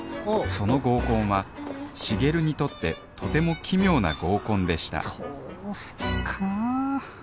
その合コンは重流にとってとても奇妙な合コンでしたどうすっかな。